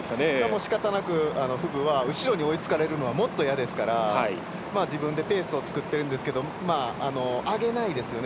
しかたなくフグは後ろに追いつかれるのはもっと嫌で、自分でペースを作っているんですけど上げないですよね。